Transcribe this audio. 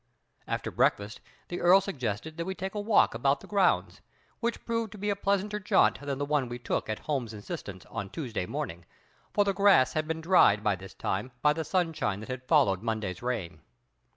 After breakfast the Earl suggested that we take a walk about the grounds, which proved to be a pleasanter jaunt than the one we took at Holmes's insistence on Tuesday morning; for the grass had been dried by this time by the sunshine that had followed Monday's rain.